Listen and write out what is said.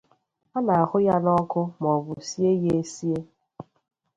a na-ahụ ya n’ọkụ maọbụ sie ya esi